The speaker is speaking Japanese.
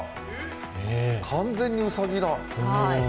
完全にうさぎだ。